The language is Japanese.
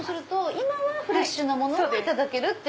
今はフレッシュなものがいただける。